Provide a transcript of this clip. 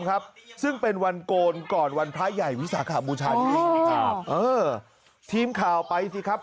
ครับซึ่งเป็นวันโกนก่อนวันพระใหญ่วิสาขบูชานี้ครับเออทีมข่าวไปสิครับ